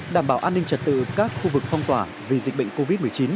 đảm bảo an ninh trật tự các khu vực phong tỏa vì dịch bệnh covid một mươi chín